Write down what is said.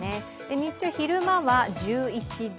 日中、昼間は１１度。